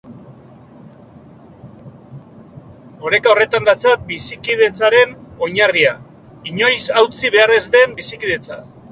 Oreka horretan datza bizikidetzaren oinarria, inoiz hautsi behar ez den bizikidetza.